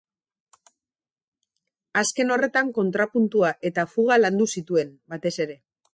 Azken horretan kontrapuntua eta fuga landu zituen, batez ere.